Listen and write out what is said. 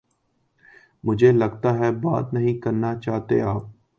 مجھے لگتا ہے بات نہیں کرنا چاہتے آپ